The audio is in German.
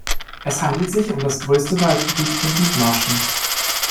Es handelt sich um das größte Waldgebiet in Dithmarschen.